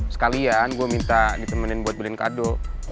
sekalian gue minta ditemenin buat beliin kado